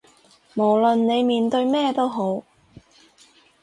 無論你面對咩都好